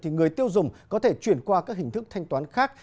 thì người tiêu dùng có thể chuyển qua các hình thức thanh toán khác